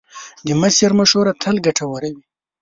د مشر مشوره تل ګټوره وي.